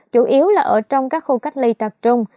chủ yếu là ở trong các khu cách ly tập trung